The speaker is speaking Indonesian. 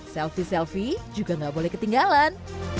selfie selfie juga gak boleh ketinggalan